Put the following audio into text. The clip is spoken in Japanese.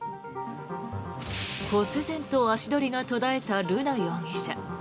こつぜんと足取りが途絶えた瑠奈容疑者。